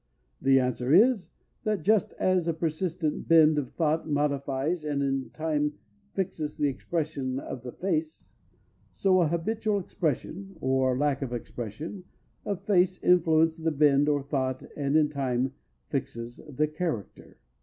The answer is, that just as a persistent bend of thought modifies and in time fixes the expression of the face, so a habitual expression (or lack of expression) of face influences the bend of thought and, in time, fixes the character.